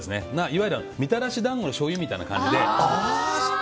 いわゆるみたらし団子のしょうゆみたいな感じで。